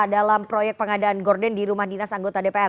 dalam proyek pengadaan gordon di rumah dinas anggota dpr